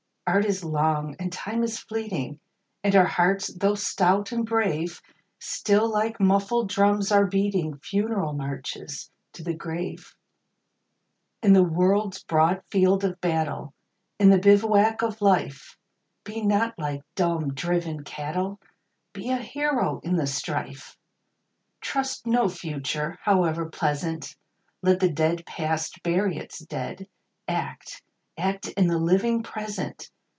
Art is long, and Time is fleeting, And our hearts, though stout and brave, Still, like muffled drums, are beating Funeral marches to the grave. In the world's broad field of battle, In the bivouac of Life, Be not like dumb, driven cattle ! Be a hero in the strife ! Trust no Future, howe'er pleasant ! Let the dead Past bury its dead ! Act, — act in the living Present